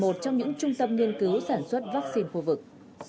một trong những trung tâm nghiên cứu sản xuất vaccine khu vực